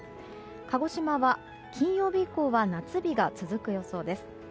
鹿児島は金曜日以降は夏日が続く予想です。